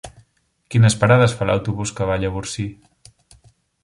Quines parades fa l'autobús que va a Llavorsí?